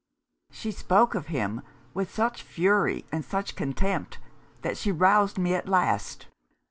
She spoke of him, with such fury and such contempt, that she roused me at last.